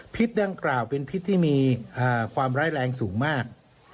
ดังกล่าวเป็นพิษที่มีความร้ายแรงสูงมาก